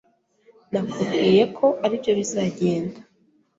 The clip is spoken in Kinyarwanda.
Nakubwiye ko aribyo bizagenda.